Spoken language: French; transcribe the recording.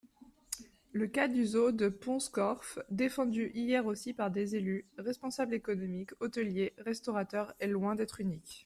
Le cas du zoo de Pont-Scorff, défendu hier aussi par des élus, responsables économiques, hôteliers, restaurateurs, est loin d’être unique.